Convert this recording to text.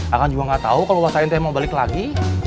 akang juga gak tau kalo wa saen teh mau balik lagi